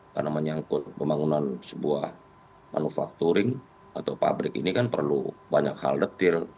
karena menyangkut pembangunan sebuah manufakturing atau pabrik ini kan perlu banyak hal detail